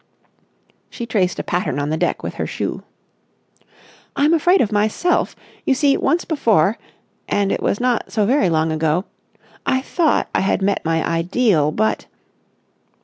She traced a pattern on the deck with her shoe. "I'm afraid of myself. You see, once before—and it was not so very long ago,—I thought I had met my ideal, but...."